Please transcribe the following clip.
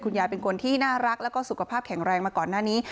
ยายเป็นคนที่น่ารักแล้วก็สุขภาพแข็งแรงมาก่อนหน้านี้